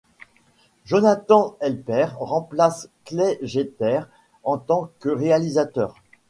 Jonathan Helpert remplace Clay Jeter en tant que réalisateur.